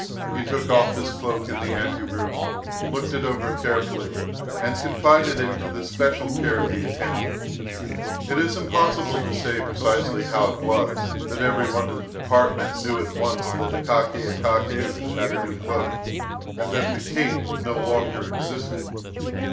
He took off his cloak in the ante room, looked it over carefully, and confided it to the special care of the attendant. It is impossible to say precisely how it was that every one in the department knew at once that Akaky Akakiyevich had a new cloak, and that the "cape" no longer existed.